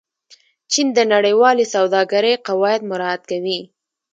چین د نړیوالې سوداګرۍ قواعد مراعت کوي.